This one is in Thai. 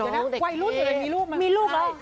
น้องเด็กแก้ว